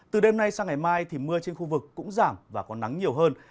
từ đêm nay sang ngày mai thì mưa trên khu vực cũng giảm và có nắng nhiều hơn